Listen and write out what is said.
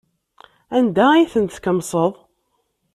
Anda ay ten-tkemseḍ?